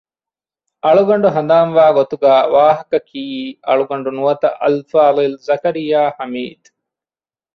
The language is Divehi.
އަޅުގަނޑު ހަނދާންވާ ގޮތުގައި ވާހަކަ ކިއީ އަޅުގަޑު ނުވަތަ އަލްފާޟިލް ޒަކަރިޔާ ޙަމީދު